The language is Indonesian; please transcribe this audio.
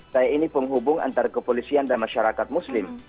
saya ini penghubung antara kepolisian dan masyarakat muslim